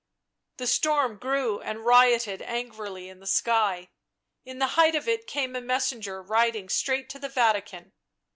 The storm grew and rioted angrily in the sky ; in the height of it came a messenger riding straight to the Vatican.